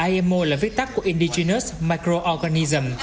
imo là viết tắt của indigenous microorganism